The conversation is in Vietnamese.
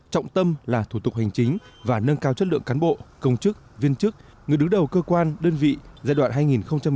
trọng tâm là thủ tục hành chính và nâng cao chất lượng cán bộ công chức viên chức người đứng đầu cơ quan đơn vị giai đoạn hai nghìn một mươi sáu hai nghìn hai mươi